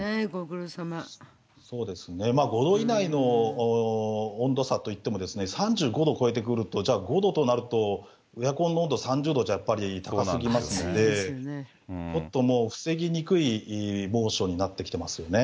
そうですね、５度以内の温度差といっても、３５度を超えてくると、じゃあ、５度となると、エアコンの温度３０度じゃやっぱり高すぎますんで、ちょっともう防ぎにくい猛暑になってきてますよね。